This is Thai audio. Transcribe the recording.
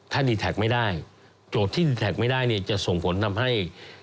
ถ้าดีแท็กไม่ได้โจทย์ที่ดีแท็กไม่ได้เนี่ยจะส่งผลทำให้